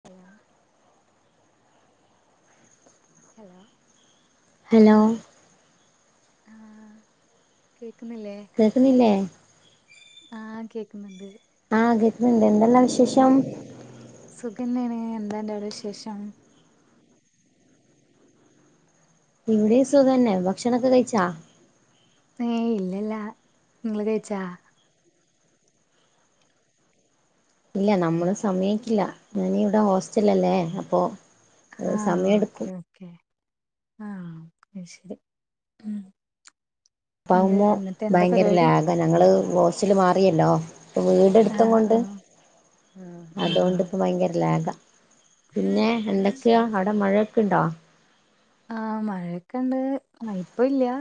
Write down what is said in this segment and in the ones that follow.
Hello hello hello ആഹ് കേക്ക്‌ന്നില്ലേ കേക്ക്ന്നില്ലെ? ആഹ് കേക്ക്ന്ന്ണ്ട്. ആഹ് കേക്ക്‌ന്ന്ണ്ട്. എന്തെല്ലാം വിശേഷം? സുഖന്നേണ്. എന്താ അൻ്റോടെ വിശേഷം? ഇവിടിം സുഖന്നെ, ഭക്ഷണൊക്കെ കഴിച്ചാ? ഏയ് ഇല്ലല്ല, നിങ്ങള് കഴിച്ചാ? ഇല്ല നമ്മള് സമയായ്ക്കില്ല. ഞാന് ഇവിടെ ഹോസ്റ്റൽലല്ലേ അപ്പൊ ആഹ് ഓക്കെ ഓ ക്കെ. ആഹ് അഹ്ശരി ഉം. എന്ത് ഇന്നട്ടെന്ത പരിപാടി? ടെ ഞങ്ങള് ഹോസ്റ്റ്‌ല് മാറിയല്ലോ. ഇപ്പൊ ആ വീടെട്ത്തുംങ്ങൊണ്ട് ആ ആഹ് ആ അതോണ്ട് ഇപ്പം ഭയങ്കര ലാഗാ. പിന്നെ അത് എന്തൊക്കെയാ ശരി അവിടെ മഴയൊക്ക്ണ്ടോ? ആഹ് മഴയൊക്കെണ്ട് ആഹ് ഇപ്പ ഇല്ല്യാ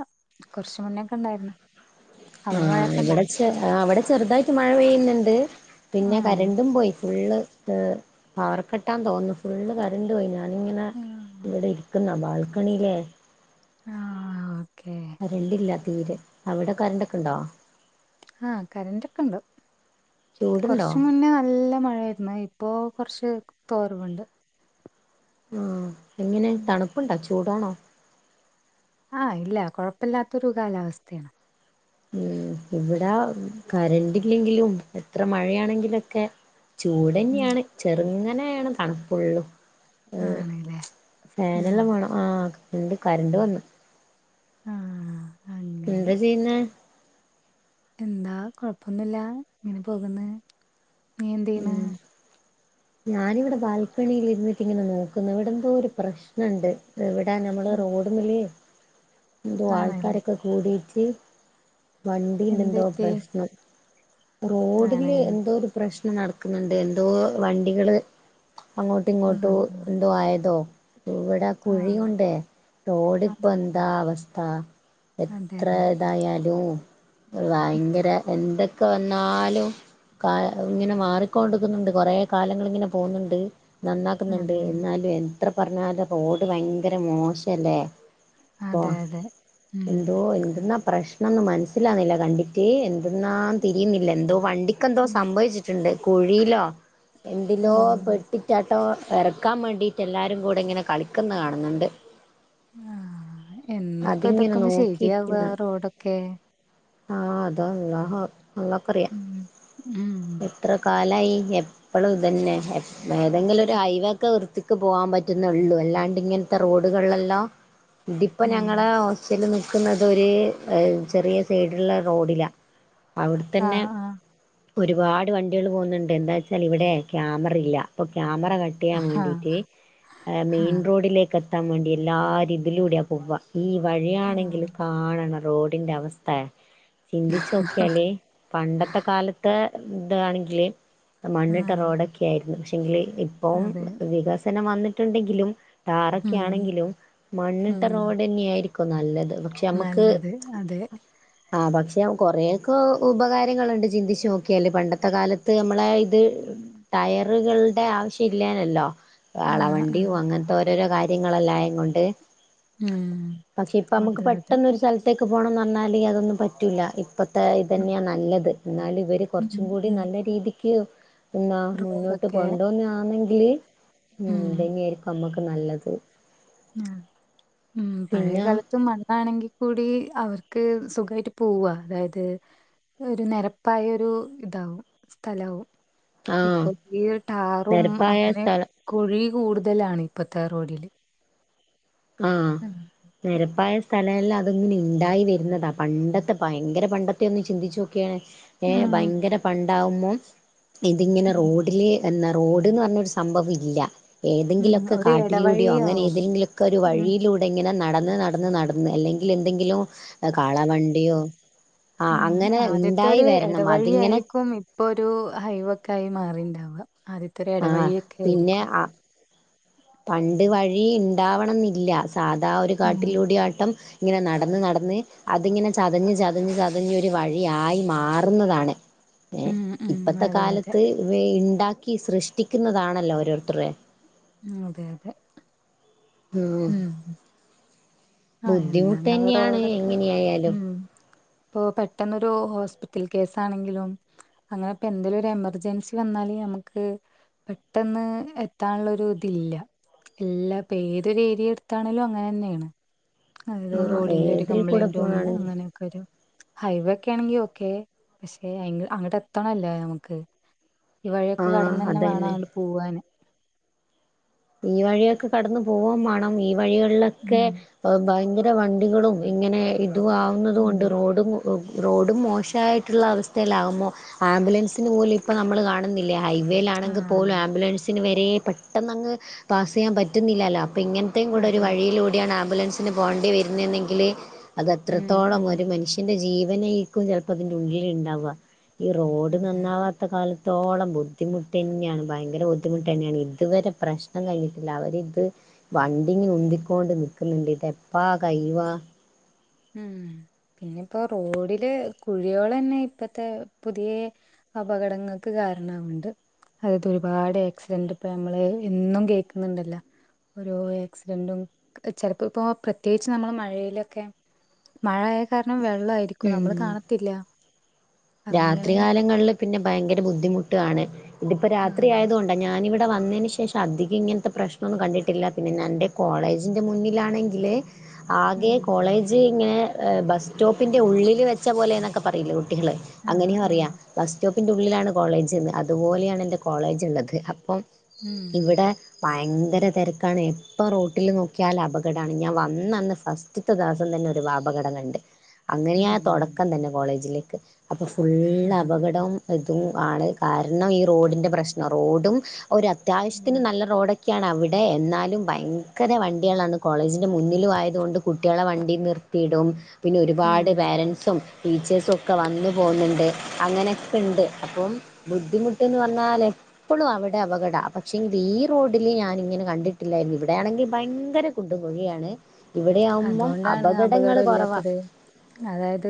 കൊറച്ച് മുന്നേക്കെ ഇണ്ടായിര്ന്ന്. ആഹ് ഇവിടെ ചെ ആഹ് ഇവടെ ചെറുതായിട്ട് മഴ പെയ്യുന്നുണ്ട്. പിന്നെ ഉം കരണ്ടും പോയി ഫുള്ള് ഏഹ് പവർകട്ടാന്ന് തോന്നുന്നു ഫുള്ള് കറന്റ് പോയി ഞാനിങ്ങനെ ആ ഇവിടെ ഇരിക്കുന്ന് ബാൽക്കണീലേ. ആഹ് ഓക്കേ. കരണ്ടില്ല തീരെ. അവടെ കരണ്ട് ഒക്കെണ്ടോ? ആഹ് കരന്റ് ഒക്കെണ്ട് പ ചൂടുണ്ടോ കൊറച്ച് മുന്നേ നല്ല മഴയായി ന്ന് ഇപ്പോ കൊറച്ച് തോർവ്ണ്ട്. ആഹ്. എങ്ങനെ തണുപ്പുണ്ടോ ചൂടാണോ? ആഹ് ഇല്ല കുഴപ്പല്ലാത്തൊരു കാലാവസ്ഥേണ്. ഉം ഇവിടെ കറന്റ് ഇല്ലെങ്കിലും എത്ര മഴയാണെങ്കിലൊക്കെ ഉം ചൂടന്നെയാണ് ചെറുങ്ങനെയാണ് തണുപ്പൊള്ളു. അഹ് ആണല്ലേ ഉം ഫാനെല്ലാം വേണം ആഹ് കരണ്ട് കരണ്ട് വന്ന്. ആഹ്. അങ്ങനെ എന്താ ചെയ്യുന്നേ? എന്താ കൊഴപ്പൊന്നുല്ല ഇങ്ങനെ പോകുന്ന്. നീ എന്തെയ്യ്ണ്? ഉം ഞാനിവിടെ ബാൽക്കണിയിൽ ഇരുന്നിട്ട് ഇങ്ങനെ നോക്കുന്ന്. ഇവിടെന്തോ ഒരു പ്രശ്നണ്ട്. ഇവിടെ നമ്മള് റോഡ്മല് എന്തോ ആണല്ലേ ആൾക്കാരൊക്കെ കൂടീറ്റ് എന്ത് വണ്ടീന്റെന്തോ പറ്റി പ്രശ്നം റോഡില് ആണല്ലേ എന്തോ ഒരു പ്രശ് നം നടക്ക്ന്ന്ണ്ട്. എന്തോ വണ്ടികള് അങ്ങോട്ടും ഇങ്ങോട്ടു ആഹ് എന്തോ ആയതോ ഇവടെ കുഴി ആഹ് കൊണ്ടേ റോഡ് ആഹ് ഇപ്പൊ ആഹ് എന്താ അവസ്ഥ. അതെ എത്ര അതെ ഇതായാലും ഭയങ്കര എന്തൊക്കെ വന്നാലും കാ ലം ഇങ്ങനെ മാറിക്കോണ്ട്ക്കുന്നുണ്ട്. കൊറേ കാലങ്ങളിങ്ങനെ പോകുന്നുണ്ട്, നന്നാക്കുന്നുണ്ട്. എന്നാലും എൻ എത്ര പറഞ്ഞാലും റോഡ് ഭയങ്കര മോശല്ലേ. അപ്പൊ അതെ അതെ ഉം എന്തോ എന്ത്‌ന്നാ പ്രശ്നംന്ന് മനസ്സിലാവുന്നില്ല കണ്ടിറ്റ്, എന്ത്‌ന്നാന്ന് തിരിയുന്നില്ല. എന്തോ വണ്ടിക്ക് ഉം സംഭവിച്ചിട്ടുണ്ട് കുഴിയിലോ എന്തിലോ ഉം പെട്ടി ട്ടാട്ടോ എറക്കാൻ മേണ്ടിയിട്ട് എല്ലാരും കൂടെ ഇങ്ങനെ കളിക്കുന്ന കാണുന്നുണ്ട്. ആഹ് എന്നപ്പ ഇതൊക്കെ അതിങ്ങനെ ഒന്ന് ശരിയാവാ റോഡൊക്കെ. ആഹ് അത് അള്ളാഹ് അള്ളാക്കറിയാ. ഉം ഉം എ ത്രെ കാലായി എപ്പെളും ഇതെന്നെ എ ഏതെങ്കിലും ഒര് ഹൈവേക്കെ വൃത്തിക്ക് പോവാം പറ്റ്ന്നാെള്ളൂ അല്ലാണ്ട് ഇങ്ങ്ൻത്തെ റോഡ്കളെല്ലാം തിപ്പ ഉം ഞങ്ങളെ ഹോസ്റ്റെല് നിക്ക്ന്നതാെര് ചെറിയ സെയ്ഡ്ള്ളെ റോഡിലാ അവ്ട്ത്തന്നെ ആഹ് ആഹ് ഒരുപാട് വണ്ടികള് പോകുന്നുണ്ട് എന്താച്ചാല് ഇവിടെ ക്യാമറ ഇല്ല അപ്പൊ ക്യാമറ ക ട്ടെയ്യാം ആഹ് വേണ്ടീട്ട് ഏഹ് മെയിൻ ആഹ് റോഡിലേക്ക് എത്താം വേണ്ടി എല്ലാരും ഇതിലൂടെയാ പോവാ ഈ വഴിയാണെങ്കില് ആഹ് കാണണം റോഡിന്റെ അവസ്ഥേ ചിന്തിച്ചോക്ക്യാല് പണ്ടത്തെ കാലത്ത് താണെങ്കില് മണ്ണിട്ട ആഹ് റോഡൊക് ക്കേയ്ര്ന്നു പക്ഷേങ്കില് ഇപ്പം അതെ വികസനം വന്നിട്ട്ണ്ടെങ്കിലും താറൊക്കെ ഉം ആണെങ്കിലും മണ്ണ് ഉം തന്നെയായിരിക്കും നല്ലെത് പക്ഷെ അമ്മക്ക് നല്ലത് അതെ ആഹ് പക്ഷെ കൊറേൊക്കാ ഉപകാരങ്ങള്ണ്ട് ചിന്തിച്ച് നോക്ക്യാല്‌ പണ്ടത്തെ കാലത്ത് നമ്മളേ ഇത് ടയറ്കൾടെ ആവശ്യം ഇല്ലേന്യല്ലോ ആഹ് കാളവണ്ടിയും ആഹ് അങ്ങൻത്തെ ഓരോരോ കാര്യങ്ങളെല്ലായേങ്ങൊണ്ട് ഊം പക്ഷെ ഇപ്പം അമക്ക് പെട്ടെന്നൊരു സൽത്തേക്ക് പോണംന്നർഞ്ഞാല് അതൊന്നും പറ്റൂല്ലാ ഇ ഇപ്പത്തെ ഉം ഇതന്ന്യാ നല്ലെത് എന്നാല് ഇവര് ഉം കൊർച്ചും കൂടി ഉം നല്ല രീതിയ്ക്ക് ഇന്നാ മുന്നോട്ട് റോഡൊക്കെ കൊണ്ടുപോവുന്നെ ആന്നെങ്കില് ഉം ഇതെന്നേയ്രിക്കും അമ്മക്ക് നല്ലത് ആഹ് ഉം പഴയ പിന്നെ കാലത്തും മണ്ണാണെങ്കി കൂടി അവർക്ക് സുഖായിട്ട് പൂവാ അതായത് ഒരു നെരപ്പായാെരു ഇതാവും സ്ഥലാവും ആ ഇപ്പൊ ഈ ടാറും നെരപ്പായ അങ്ങെനെ സ്ഥലം കുഴി കൂട്തലാണ് ഇപ്പത്തെ റോഡില് ആഹ് ഉം നെരപ്പായ സ്ഥല എല്ലാം അതങ്ങനെ ഇണ്ടായി വെര്ന്നെതാ പണ്ടത്തെ ഭയങ്കര പണ്ടത്തെ ഒന്ന് ചിന്തിച്ച് നോക്ക്യേ ഏഹ് ഉം ഭയ്ങ്കര പണ്ടാവുമ്പം ഇതിങ്ങെനെ റോഡില് എന്താ റോഡ്ന്ന് പർഞ്ഞൊരു സംഭവം ഇല്ല ഉം ഏതെങ്കിലൊക്കെ ഒരു കാട്ടിലൂടെയോ അങ്ങനെ ഇടവഴിയാവും ഏതെങ്കിലൊക്കൊരു ഉം വഴിയിലൂ ടെ ഇങ്ങെനെ നടന്ന് നടന്ന് നട്ന്ന് അല്ലെങ്കിലെന്തെങ്കിലും കാളവണ്ടിയോ ആ ഉം അങ്ങനെ ഉണ്ടായി ആദ്യത്തൊര് വരണം അതിങ്ങനെ എടവഴിയായിരിക്കും ഇപ്പൊരു ഹൈവാെക്കായ് മാറിണ്ടാവ ആദ്യത്തൊരു ആ എടവഴിയൊക്കെ പിന്നെ ആയിരിക്കും ആ പണ്ട് വഴി ഇണ്ടാവണംന്നില്ല സാധാ ഒരു ഉം കാട്ടിലൂടെ ആട്ടം ഇങ്ങനെ നടന്ന് നടന്ന് അതിങ്ങെനെ ചതഞ്ഞ് ചതഞ്ഞ് ചതഞ്ഞാെര് വഴി ആയി മാറ്ന്നതാണ് ഏഹ് ഉം ഉം ഇപ്പത്തെ അതെ അതെ കാലത്ത് വെ ഇണ്ടാക്കി സൃഷ്ടിക്ക്ന്നതാണല്ലോ ഓരോര്ത്ത്രെ അതെ അതെ ഉം ആഹ് ബുദ്ധിമുട്ട് എന്നാന്നാവൊ തന്നെയാണ് റോഡൊക്കെ എങ്ങനെയായാലും ഉം പ്പോ പെട്ടെന്നൊരു ഹോസ്പിറ്റൽ കേസാണെങ്കിലും അങ്ങനെപ്പെന്തേലാെരു എമെർജെൻസി വന്നാല് ഞമ്ക്ക് പെട്ടെന്ന് എത്താൻള്ളൊരു തില്ലാ ഇല്ലാ പ്പേത് രീതി എട്ത്താണേലും അങ്ങെനെന്നേണ് ആ അതെതെ റോഡിന്റൊര് ഏതിൽ കൂടെ കംപ്ലെയ്ന്റും പോണാണ് അങ്ങനെയൊക്കെരു ഹൈവേക്കേണെങ്കി ഓക്കേ പക്ഷെ അയ്ങ്ക് അങ്ങട്ടെത്തണല്ലോ ഞമ്ക്ക് ഈ ആ വഴിയൊക്കെ കട്ന്നെന്നെ വാണം അതന്നെ അങ്ങട് പൂവാന് ഈ വഴിയൊക്കെ കടന്ന് പോവും മാണം ഈ വഴികൾലൊക്കെ ഉം ഭയ്ങ്കര വണ്ടികളും ഇങ്ങെനെ ഇതു ആവുന്നത് കൊണ്ട് അതെ റോഡും മു [unintelligible] റോഡും മോശായ്ട്ട്ള്ള അവസ്ഥേലാകുമ്പോ ആംബുലൻസിന് പോലും ഇപ്പ നമ്മള് കാണുന്നി ല്ലെ ഹൈവേലാണെങ്ക് പോലും ആഹ് ആംബുലൻസിന് വരെ പെട്ടെ ന്നങ്ങ് പാസെയ്യാം പറ്റുന്നില്ലാലൊ അപ്പൊ ഇങ്ങൻത്തേയും കൂടെ ഒര് അതെ അതെ വഴിയിലൂടെയാണ് ആംബുലൻസ് ന് പോണ്ടി വര്ന്നേന്നെങ്കില് അത് ഉം അത്രത്തോളം ഉം ഒര് മനുഷ്യ.... ന്റെ ജീവനേക്കും ചെലപ്പൊ അതിന്റെ ഉള്ളില് ണ്ടാവ. ഈ റോഡ് അതെ അതെ നന്നാവാത്ത കാല... ത്തോളം ബുദ്ധിമുട്ടെന്നേണ്. ഭയങ്കര ബുദ്ധിമുട്ടെന്നേണ്. ഇത് വരെ പ്രശ്.... നം കഴിഞ്ഞിട്ടില്ല. അവരിത് വണ്ടിങ് ഉന്തിക്കൊണ്ട് നിക്ക് ന്ന്ണ്ട്. ഇതെപ്പാ കൈയ്യ്‌വാ ഉം പിന്നെപ്പൊ റോഡില് കുഴികളെന്നെ ഇപ്പത്തെ പുതിയെ അപകടങ്ങൾക്ക് കാരണാവ്ണ്ട് അതൊരുപാട് ആക്സിഡന്റ് പ്പ ഞമ്മള് ഇന്നും കേൾക്ക്ന്നുണ്ടല്ലാ. ഓരോ ആക്സിഡന്റും ക്ക് ചെലപ്പൊ പ്പോ പ്രത്യേകിച്ച് നമ്മള് മഴയിലൊക്കെ മഴയായ കാരണം വെള്ളായിരിക്കും. നമ്മള് ഉം കാണത്തില്ല. രാത്രി അങ്ങനെ കാലങ്ങള്ള് പിന്നെ ഭയങ്കര ബുദ്ധിമുട്ടാണ്. ഇതിപ്പൊ രാത്രി ആണ് ആയതുകൊ.... ആഹ്. ഞാനിവിടെ വന്നേന് ശേഷം അധികം ഇങ്ങൻത്തെ പ്രശ്ണൊന്നും കണ്ടിട്ടില്ല. പിന്നെ ഞാ ൻ്റെ കോളേജിൻ്റെ മുന്നിലാണെങ്കില് ആകെ ഉം കോളേജ് ഇങ്ങനെ ഏഹ് ബസ്റ്റോപ്പിന്റെ ഉള്ളില് വെച്ച പോലെന്നൊക്കെ പറയില്ലെ കുട്ടികള്. ആഹ് അങ്ങനെയാ ആഹ് പറിയാ. ബസ് സ്റ്റോപ്പിന്റെ ഉള്ളിലാണ് കോളേജ്ന്ന്. അതുപോലെയാണ് എൻറെ കോളേജിള്ളത്. അപ്പം ഉം ഇവ്ടെ ഭയങ്കര തെരക്കാണ്. എപ്പം റോട്ടില് നോക്കിയാലും അപകടാണ്. ഞാൻ വന്നന്ന് ഫസ്.... റ്റ്ത്തെ ദെവസം തന്നെ ഒര് പാ അപകടം കണ്ട്. അങ്ങനെയാ ഉം തൊടക്കം തന്നെ കോളേജിലേക്ക്. അപ്പം ഫുള്ളപ ഉം കടം തും ആണ്. കാരണം ഈ റോഡ്ന്റെ പ്രശ്നം. റോഡും ഒരു അത്യാവശ്യത്ത്ന് ഉം നല്ല റോഡ് ക്കാണ് അവ്ടെ. എന്നാലും ഭയങ്കര വണ്ടികളാണ് കോളേജിൻ്റെ മുന്നിലും ആയത്കൊണ്ട് കുട്ട്യേളെ വണ്ടി നിർത്തിയിടും. പിന്നെ ഒരുപാട് പേരൻസും ടീച്ചേഴ്സൊക്കെ വന്ന് പോവ്ന്ന്ണ്ട്. അങ്ങനെക്കെണ്ട് ഉം അപ്പം ബുദ്ധിമുട്ട്ന്ന് വന്നാല് പ്പൊളും അവടെ അപകടാ. പക്ഷെങ്കി ഈ റോഡില് ഞാനിങ്ങനെ കണ്ടിട്ടില്ലാര്ന്ന്. ഇവടെയാണെങ്കി ഭയങ്കര കുണ്ടും, കുഴിയാണ്. ഇവ്ടെയാവുമ്പം അതുകൊണ്ടാണ് അപകടങ്ങള് അപകടം കൊറവ. ഇല്ലാത്തത് അതായത്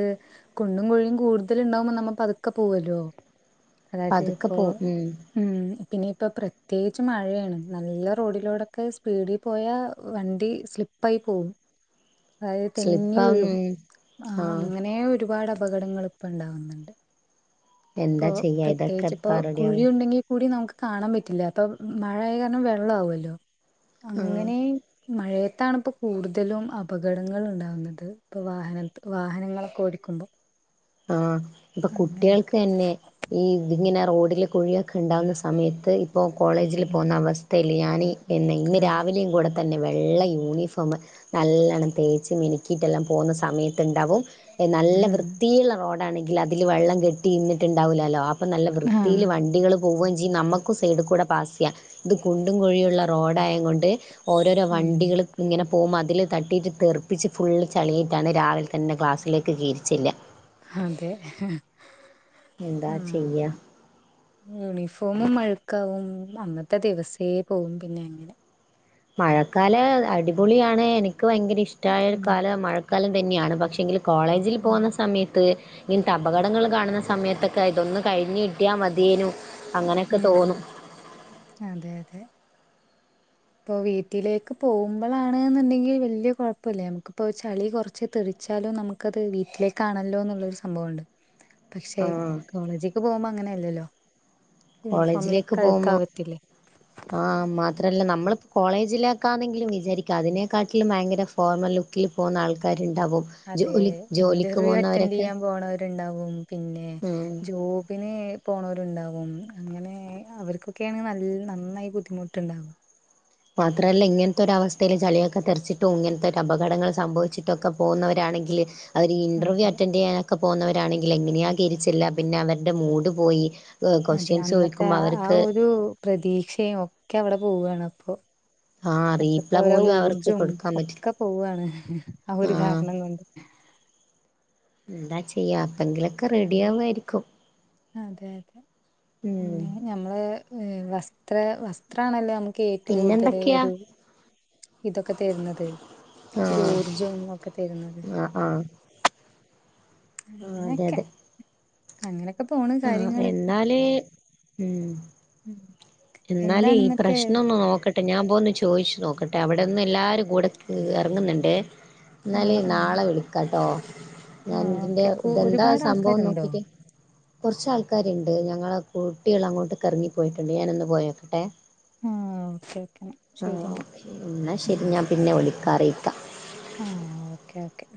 കുണ്ടും, കുഴിയും കൂട്തല് ണ്ടാവുമ്പൊ നമ്മ പത് ക്കെ പോവല്ലോ. അതായത് പതുക്കെ ഇപ്പൊ പോവും ഉം ഉം. പിന്നെ ഇപ്പൊ പ്രത്യേചിച്ചും മഴയാണ്. നല്ല റോഡിലോടൊക്കെ സ്പീഡി പോയാ വണ്ടി സ്ലിപ്പായി പോവും. അത് തെന്നി സ്ലിപ്പാവുന്നു വിഴും. ഉം ആഹ് അങ്ങ നേ ഒരുപാട് അപകടങ്ങള് പ്പ ണ്ടാവ്ന്ന്ണ്ട്. പ്പൊ എന്താ ചെയ്യാ ഇതൊക്കെ പ്രത്യേയിച്ച് പ്പൊ എപ്പാ റെഡിയാവാ കുഴിണ്ടെങ്കി കൂടി നമുക്ക് കാണാം പറ്റില്ല. അപ്പൊ മഴയായ കാരണം വെള്ളാവുവല്ലൊ. ആഹ് അങ്ങനേ മഴയത്താണ്‌പ്പൊ കൂട്തലും അപകടങ്ങള് ണ്ടാവുന്നത്. പ്പൊ വാഹനത്ത് വാഹനങ്ങളൊക്കെ ഓടിക്കുമ്പൊ ആഹ് പ്പൊ കുട്ടികൾക്കെന്നെ ഈ തിങ്ങനെ റോഡില് കുഴിയൊക്കെ ണ്ടാവുന്ന സ സമയത്ത് ഇപ്പൊ കോളേജില് ഉം പോവ്ന്ന അവസ്ഥയില്ലെ. ഞാൻ എന്നെ ഇന്ന് അതെ രാവിലെയും കൂടെ തന്നെ വെള്ള യൂണിഫോമ്. നല്ലവണ്ണം തേച്ച് മിനിക്കിട്ടെല്ലാം പോവുന്ന സമയത്ത്ണ്ടാവും നല്ല ഉം വൃത്തിയ്ള്ള റോഡാണെങ്കില് അതില് വെള്ളം കെട്ടി ഇന്നിട്ടുണ്ടാവൂലാലൊ അ.... പ്പം നല്ല വൃത്തില് ആഹ് വണ്ടികള് പോവേം ചെയ്യും. നമ്മക്കും സൈഡ് കൂടെ പാസ് ചെയ്യാൻ. ഇത് കുണ്ടും, കുഴിയുള്ള റോഡായേംകൊണ്ട് ഓരോരൊ ഉം വണ്ടികള് ഇങ്ങനെ പോവ്‌മ്പ അതില് തട്ടിയിട്ട് തെർപ്പിച്ച് ഫുള്ള് ചളിയിട്ടാണ് രാവിൽ തന്നെ ക്ലാസ്സിലേക്ക് കേറിച്ചെല്ലാ. അതെ. എന്താ ആഹ് ചെയ്യാ ഉം യൂണിഫോമും അഴ്ക്കാവും അന്നത്തെ ദിവസേ പോവും പിന്നെ അങ്ങനെ. മഴക്കാലം അടിപൊളിയാണ് എനിക്ക് ഭയങ്കര ഇഷ്ടായൊരു ഉം കാലം മഴക്കാലം തന്നെയാണ് പക്ഷെങ്കില് കോളേജിൽ ഉം പോകുന്ന സമയ ത്ത് ഇങ്ങൻത്തെ അപകടങ്ങൾ കാണുന്ന സമയത്തൊക്കെ ഇതൊന്ന് കഴിഞ്ഞ് കട്ടിയാ മതിയേനു അങ്ങനെയൊക്കെ ഉം തോന്നും അതെ അതെ ഇപ്പോ വീട്ടിലേക്ക് പോവ്മ്പളാണ്ന്ന്ണ്ടെങ്കി വല്ല്യ കൊഴപ്പല്ല നമ്മക്ക്പ്പോ ചളി കൊറ ച്ച് തെറിച്ചാലും നമുക്കത് വീട്ടിലേക്കാണല്ലോ എന്ന്ള്ളൊര് സംഭവണ്ട്. പക്ഷെ ആഹ് കോളേജ്‌ക്ക് പോവ്മ്പോ അങ്ങനെയല്ലല്ലോ. കോളേജിലേക്ക് യൂണിഫോമിലൊക്കെ പോകുമ്പോ അഴ്ക്കാവത്തില്ലേ. ആഹ് മാ ത്രല്ല നമ്മള് കോളേജിലേക്കാന്നെങ്കിലും വിചാരിക്കാം അതിനെക്കാട്ടിലും ഭയങ്കര ഫോർമൽ ലു ക്കിൽ പോകുന്ന ആൾക്കാര്ണ്ടാവും. അതെ ഇന്റർവ്യൂ അറ്റൻഡെയ്യാൻ പോണവര്ണ്ടാവും പിന്നെ ഉം ജോബിന് പോണോര്ണ്ടാവും അങ്ങനെ അവർക്കൊക്കെയാണെ നൽ നന്നായി ബുദ്ധിമുട്ട്ണ്ടാവ മാത്രല്ല ഇങ്ങനത്തൊരവസ്ഥയിൽ ചളിയൊക്കെ തെറ്ച്ചിട്ടും ഇങ്ങനത്തെ ഒരു അപകടങ്ങൾ സംഭവിച്ചിട്ടൊക്കെ പോകുന്നവരാണെങ്കില് അവര് ഇന്റർവ്യൂ അതെ അറ്റൻഡെയ്യാനൊക്കെ പോകുന്നവരാണെങ്കിൽ എങ്ങനെയാ കേറിച്ചെല്ലാ പിന്നെ അവര്ടെ മൂഡ് പോയി. അതെ ക്വസ്റ്റ്യൻസ് അന്നത്തെ ചോദിക്കുമ്പോ ആ ആ അവർക്ക് ഒരു പ്രതീക്ഷയും ഒക്കെ അവിടെ പോവാണ് അപ്പൊ ആ അപ്പത്തെ റീപ്ലൈ അവരെ ആ പോലും അവർക്ക് ഊർജും കൊടുക്കാൻ പറ്റില്ല ഒക്കെ പോവാണ് ആ ഒരു ആഹ് കാരണംകൊണ്ട് എന്താ ചെയ്യാ അപ്പങ്കിലൊക്കെ അതെ റെഡിയാവായിരിക്കും. അതെ അതെ ഉം പിന്നെ ഞമ്മള് ഏ വസ്ത്ര വസ്ത്രാണല്ലോ നമു ക്കേറ്റും കൂടുതല് പിന്നെന്തൊക്കെയാ ഒരു ഇതൊക്കെ തര്ന്നത് ഒരു ആഹ് ഊർജ്ജും ഒക്കെ തരുന്നത്. [inaudible] ആഹ് അതെ അങ്ങനെയൊക്കെ അതെ അങ്ങനെയൊക്കെ പോണ് കാര്യങ്ങള്. അല് ഉം ഉം എന്നാല് ഈ പ്രശ്നൊന്ന് നോക്ക ട്ടെ ഞാൻ പോന്ന് ചോയിച്ച് നോക്കട്ടെ അവിടെന്ന് എല്ലാരും കൂടെ എറങ്ങ്ന്ന്ണ്ട്. ഇന്നാല് ആഹ് ആഹ് നാളെ വിളിക്കാട്ടോ ഞാൻ ആഹ് ഇതിന്റെ ഓക്കെ കു ഇതെന്താ ഒരുപാട് സംഭവം ആൾക്കാരുണ്ടോ നോക്കീട്ട് കൊറച്ച് ആൾക്കാര്ണ്ട് ഞങ്ങളെ കുട്ട്യേള് അങ്ങോട്ട്ക്ക് എറങ്ങിപ്പോയിട്ടുണ്ട് ഞാനൊന്ന് പോയൊക്കെട്ടെ. ആഹ് ഓക്കെ ഓക്കെ ശരി ആഹ് എന്നാ ഓക്കെ ഇന്നാ ശെരി ഞാൻ പിന്നെ വിളിക്കാ അറിയിക്കാ ആഹ് ഓക്കെ ഓക്കെ